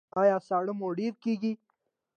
ایا ساړه مو ډیر کیږي؟